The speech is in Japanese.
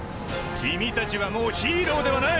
君たちはもうヒーローではない！